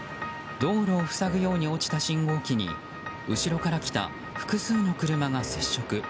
道路を塞ぐように落ちた信号機に後ろから来た複数の車が接触。